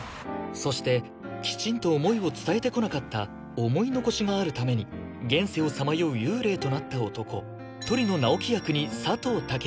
そしてきちんと思いを伝えてこなかった思い残しがあるために現世をさまよう幽霊となった男鳥野直木役に佐藤健